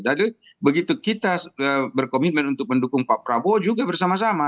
jadi begitu kita berkomitmen untuk mendukung pak prabowo juga bersama sama